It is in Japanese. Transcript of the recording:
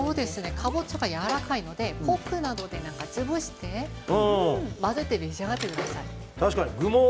かぼちゃがやわらかいのでフォークなどで潰して混ぜて召し上がってください。